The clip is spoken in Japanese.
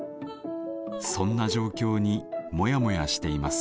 そんな状況にモヤモヤしています。